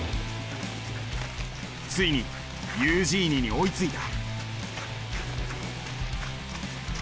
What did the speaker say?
ついにユージーニに追いついた。